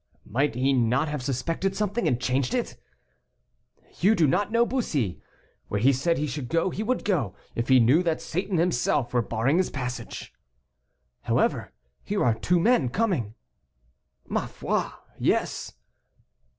"Might he not have suspected something, and changed it?" "You do not know Bussy; where he said he should go, he would go, if he knew that Satan himself were barring his passage." "However, here are two men coming." "Ma foi! yes."